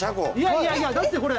いやいやだってこれ。